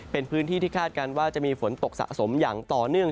เป็นพื้นที่ที่คาดการณ์ว่าจะมีฝนตกสะสมอย่างต่อเนื่อง